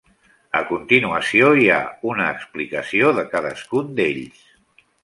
A continuació hi ha una explicació de cadascun d'ells.